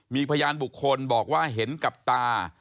มีพยานบุคคลบอกว่าเห็นกับตา